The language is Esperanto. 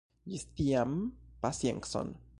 Ĝis tiam, paciencon.